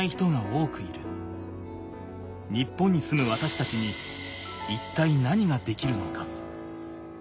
日本に住むわたしたちに一体何ができるのか？